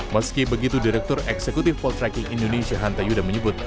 meski begitu direktur eksekutif poltreking indonesia hanta yuda menyebut